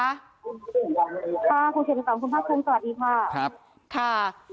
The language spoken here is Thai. คุณสิริวัลค่ะคุณเฮียตรีสองคุณภาพเชิงสวัสดีค่ะ